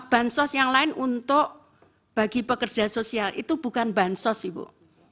bansos yang lain untuk bagi pekerja sosial itu bukan bansos ibu